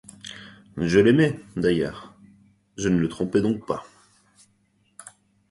Je l'aimais, d'ailleurs ; je ne le trompais donc pas !